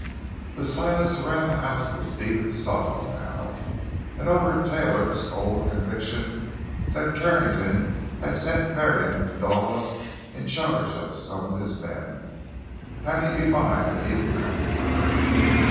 The silence around the house was deep and solemn now, and over Taylor stole a conviction that Carrington had sent Marion to Dawes in charge of some of his men; having divined that he would come for her.